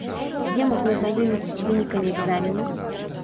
Дзе можна азнаёміцца з вынікамі экзамену?